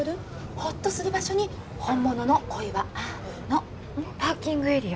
ホッとする場所に本物の恋はあるのパーキングエリア？